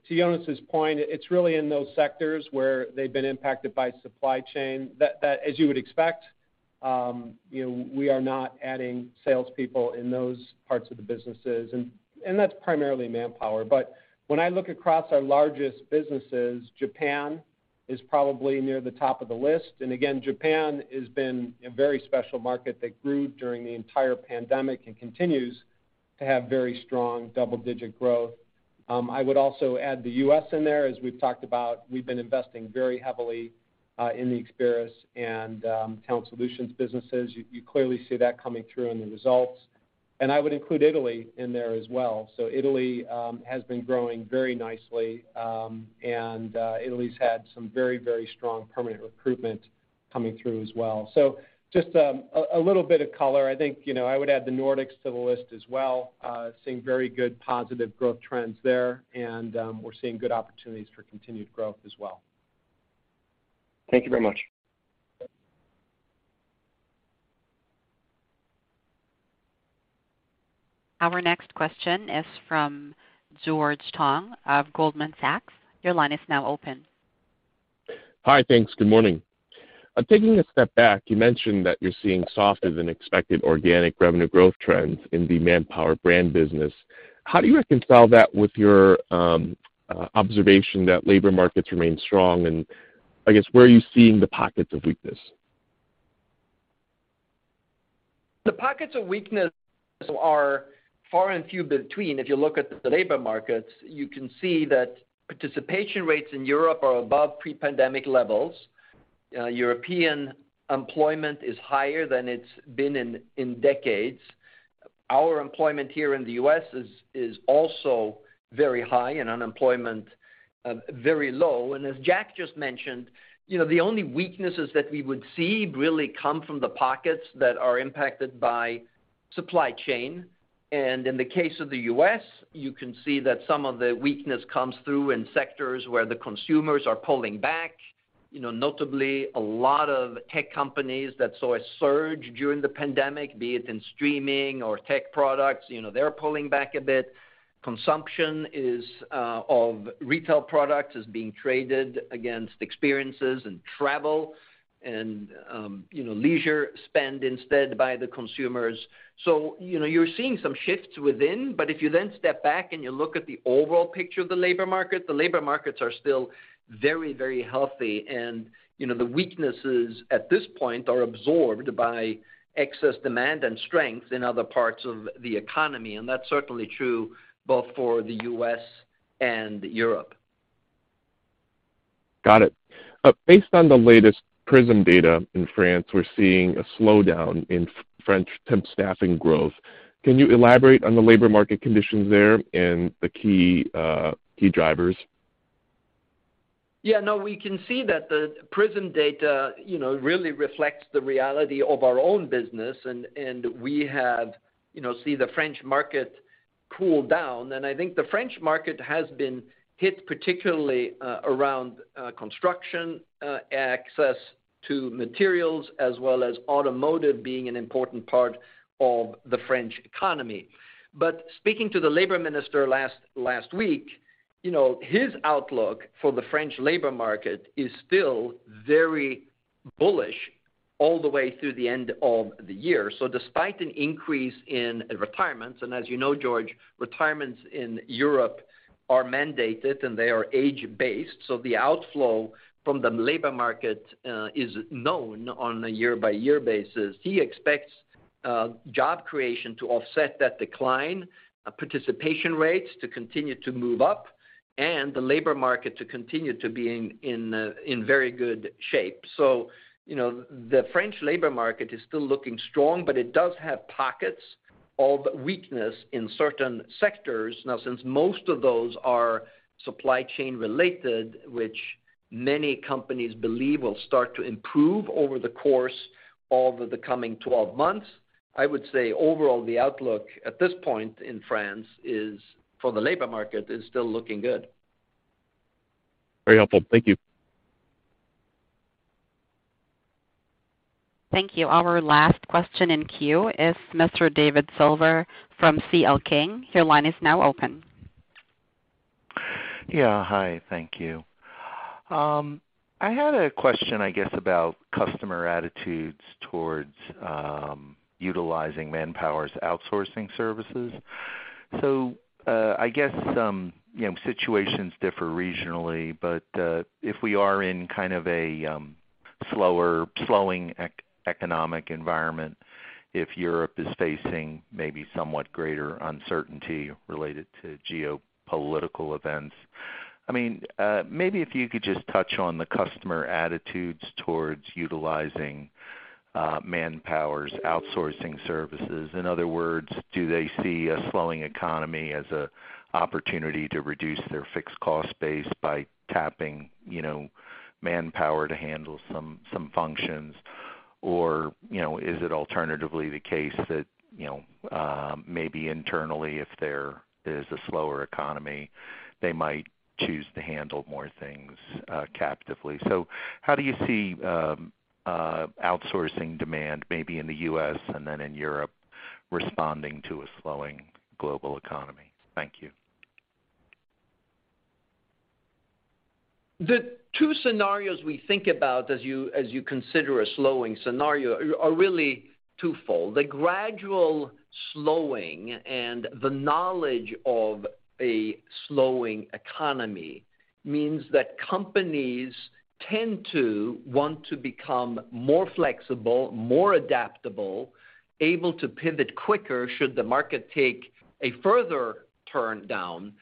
To Jonas' point, it's really in those sectors where they've been impacted by supply chain. That as you would expect, you know, we are not adding sales people in those parts of the businesses, and that's primarily Manpower. When I look across our largest businesses, Japan is probably near the top of the list. Again, Japan has been a very special market that grew during the entire pandemic and continues to have very strong double-digit growth. I would also add the U.S. in there. As we've talked about, we've been investing very heavily in the Experis and Talent Solutions businesses. You clearly see that coming through in the results. I would include Italy in there as well. Italy has been growing very nicely. Italy's had some very, very strong permanent recruitment coming through as well. Just a little bit of color. I think, you know, I would add the Nordics to the list as well. Seeing very good positive growth trends there, we're seeing good opportunities for continued growth as well. Thank you very much. Our next question is from George Tong of Goldman Sachs. Your line is now open. Hi. Thanks. Good morning. Taking a step back, you mentioned that you're seeing softer than expected organic revenue growth trends in the Manpower brand business. How do you reconcile that with your observation that labor markets remain strong? I guess, where are you seeing the pockets of weakness? The pockets of weakness are far and few between. If you look at the labor markets, you can see that participation rates in Europe are above pre-pandemic levels. European employment is higher than it's been in decades. Our employment here in the US is also very high and unemployment very low. As Jack just mentioned, you know, the only weaknesses that we would see really come from the pockets that are impacted by supply chain. In the case of the US, you can see that some of the weakness comes through in sectors where the consumers are pulling back. You know, notably, a lot of tech companies that saw a surge during the pandemic, be it in streaming or tech products, you know, they're pulling back a bit. Consumption of retail products is being traded against experiences and travel and, you know, leisure spend instead by the consumers. You're seeing some shifts within, but if you then step back and you look at the overall picture of the labor market, the labor markets are still very, very healthy. You know, the weaknesses at this point are absorbed by excess demand and strength in other parts of the economy. That's certainly true both for the U.S. and Europe. Got it. Based on the latest Prism'emploi data in France, we're seeing a slowdown in French temp staffing growth. Can you elaborate on the labor market conditions there and the key drivers? Yeah, no, we can see that the Prism'emploi data, you know, really reflects the reality of our own business. We have, you know, see the French market cool down. I think the French market has been hit, particularly, around, construction, access to materials, as well as automotive being an important part of the French economy. Speaking to the labor minister last week, you know, his outlook for the French labor market is still very bullish all the way through the end of the year. Despite an increase in retirements, and as you know, George, retirements in Europe are mandated, and they are age-based, so the outflow from the labor market is known on a year by year basis. He expects job creation to offset that decline, participation rates to continue to move up and the labor market to continue to be in very good shape. You know, the French labor market is still looking strong, but it does have pockets of weakness in certain sectors. Now, since most of those are supply chain related, which many companies believe will start to improve over the course of the coming 12 months, I would say overall, the outlook at this point in France for the labor market is still looking good. Very helpful. Thank you. Thank you. Our last question in queue is Mr. David Silver from C.L. King & Associates. Your line is now open. Yeah. Hi. Thank you. I had a question about customer attitudes towards utilizing Manpower's outsourcing services. You know, situations differ regionally, but if we are in kind of a slowing economic environment, if Europe is facing maybe somewhat greater uncertainty related to geopolitical events, I mean, maybe if you could just touch on the customer attitudes towards utilizing Manpower's outsourcing services. In other words, do they see a slowing economy as an opportunity to reduce their fixed cost base by tapping, you know, Manpower to handle some functions? Or, you know, is it alternatively the case that, you know, maybe internally, if there is a slower economy, they might choose to handle more things captively? How do you see outsourcing demand, maybe in the U.S. and then in Europe responding to a slowing global economy? Thank you. The two scenarios we think about as you consider a slowing scenario are really twofold. The gradual slowing and the knowledge of a slowing economy means that companies tend to want to become more flexible, more adaptable, able to pivot quicker should the market take a further turn down.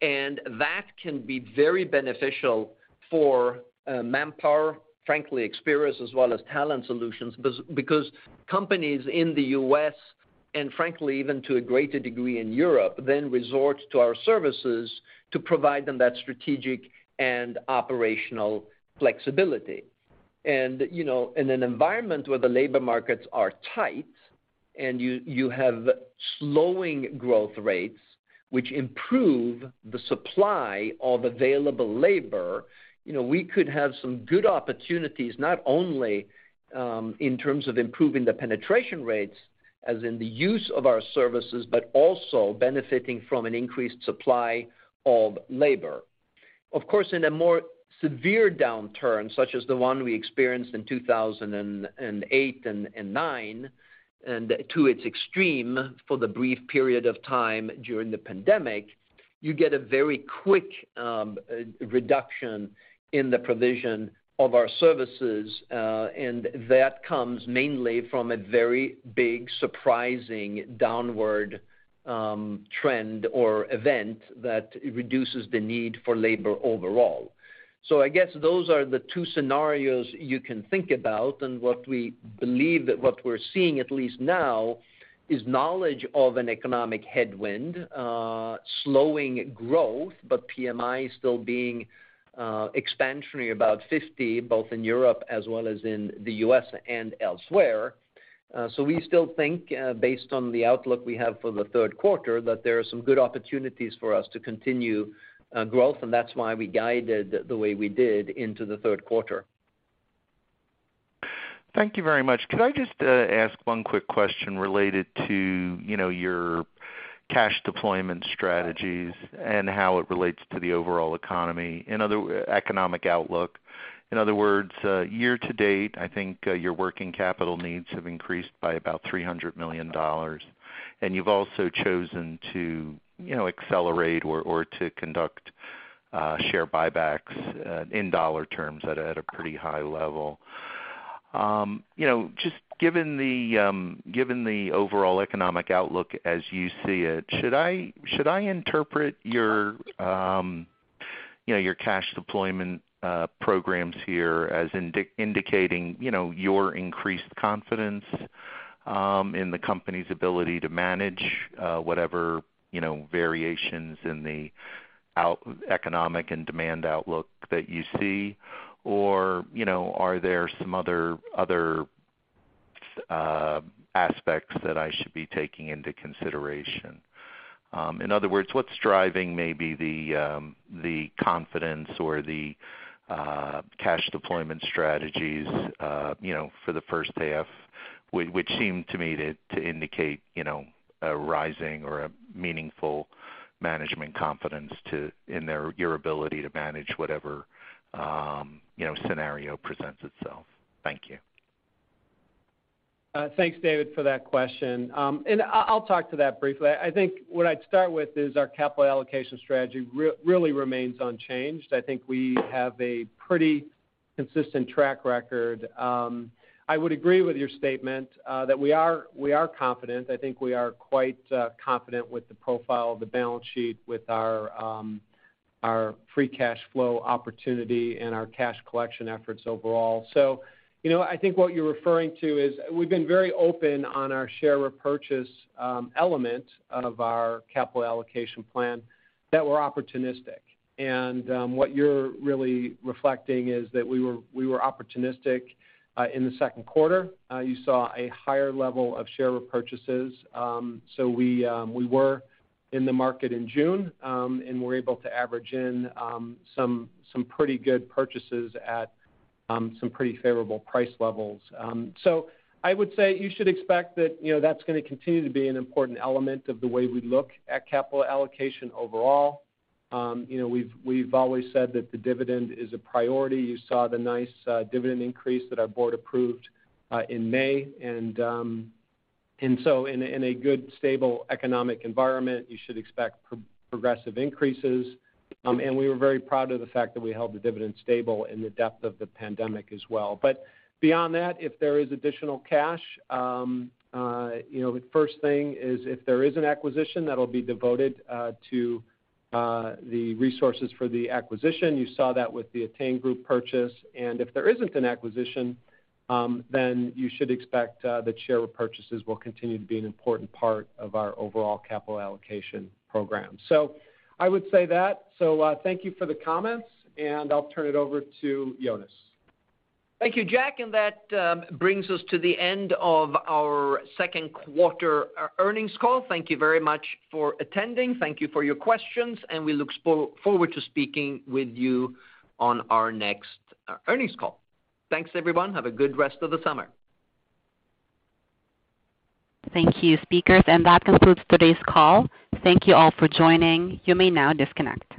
That can be very beneficial for Manpower, frankly, Experis, as well as Talent Solutions, because companies in the U.S., and frankly, even to a greater degree in Europe, then resort to our services to provide them that strategic and operational flexibility. You know, in an environment where the labor markets are tight and you have slowing growth rates, which improve the supply of available labor, you know, we could have some good opportunities, not only in terms of improving the penetration rates as in the use of our services, but also benefiting from an increased supply of labor. Of course, in a more severe downturn, such as the one we experienced in 2008 and 2009, and to its extreme for the brief period of time during the pandemic, you get a very quick reduction in the provision of our services. That comes mainly from a very big, surprising downward trend or event that reduces the need for labor overall. I guess those are the two scenarios you can think about. What we believe that what we're seeing, at least now, is acknowledgment of an economic headwind, slowing growth, but PMI still being expansionary about 50, both in Europe as well as in the U.S. and elsewhere. We still think, based on the outlook we have for the third quarter, that there are some good opportunities for us to continue growth, and that's why we guided the way we did into the third quarter. Thank you very much. Could I just ask one quick question related to, you know, your cash deployment strategies and how it relates to the overall economy, economic outlook. In other words, year to date, I think your working capital needs have increased by about $300 million, and you've also chosen to, you know, accelerate or to conduct share buybacks in dollar terms at a pretty high level. You know, just given the overall economic outlook as you see it, should I interpret your cash deployment programs here as indicating, you know, your increased confidence in the company's ability to manage whatever, you know, variations in the economic and demand outlook that you see? You know, are there some other aspects that I should be taking into consideration? In other words, what's driving maybe the confidence or the cash deployment strategies, you know, for the first half, which seem to me to indicate, you know, a rising or a meaningful management confidence in your ability to manage whatever, you know, scenario presents itself. Thank you. Thanks, David, for that question. I'll talk to that briefly. I think what I'd start with is our capital allocation strategy really remains unchanged. I think we have a pretty consistent track record. I would agree with your statement that we are confident. I think we are quite confident with the profile of the balance sheet, with our free cash flow opportunity and our cash collection efforts overall. You know, I think what you're referring to is we've been very open on our share repurchase element of our capital allocation plan that we're opportunistic. What you're really reflecting is that we were opportunistic in the second quarter. You saw a higher level of share repurchases. We were in the market in June and were able to average in some pretty good purchases at some pretty favorable price levels. I would say you should expect that, you know, that's gonna continue to be an important element of the way we look at capital allocation overall. You know, we've always said that the dividend is a priority. You saw the nice dividend increase that our board approved in May. In a good, stable economic environment, you should expect progressive increases. We were very proud of the fact that we held the dividend stable in the depth of the pandemic as well. Beyond that, if there is additional cash, you know, the first thing is if there is an acquisition, that'll be devoted to the resources for the acquisition. You saw that with the ettain group purchase. If there isn't an acquisition, then you should expect that share repurchases will continue to be an important part of our overall capital allocation program. I would say that. Thank you for the comments, and I'll turn it over to Jonas. Thank you, Jack. That brings us to the end of our second quarter earnings call. Thank you very much for attending. Thank you for your questions, and we look forward to speaking with you on our next earnings call. Thanks, everyone. Have a good rest of the summer. Thank you, speakers. That concludes today's call. Thank you all for joining. You may now disconnect.